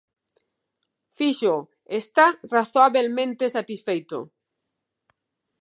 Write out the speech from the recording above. Feixóo está "razoabelmente satisfeito".